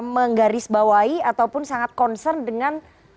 menggaris bawahi ataupun sangat concern dengan